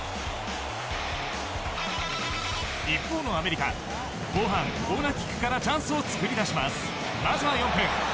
一方のアメリカ後半コーナーキックからチャンスを作り出します。